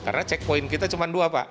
karena cekpoin kita cuma dua pak